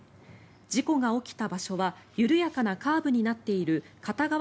事故が起きた場所は緩やかなカーブになっている片側